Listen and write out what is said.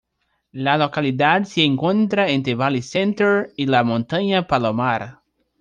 La localidad se encuentra entre Valley Center y la Montaña Palomar.